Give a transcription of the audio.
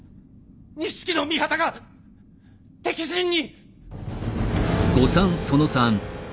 錦の御旗が敵陣に！